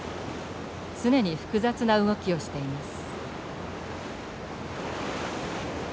常に複雑な動きをしています。